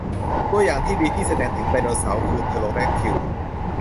ตัวอย่างที่ดีที่แสดงถึงไดโนเสาร์คือเทอโรแด็กทิล